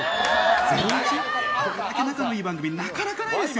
『ゼロイチ』、これだけ仲の良い番組なかなかないですよ。